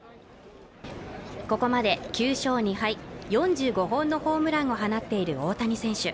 ここまで９勝２敗、４５本のホームランを放っている大谷選手。